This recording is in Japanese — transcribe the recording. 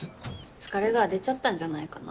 疲れが出ちゃったんじゃないかな。